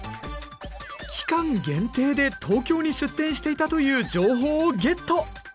期間限定で東京に出店していたという情報をゲット！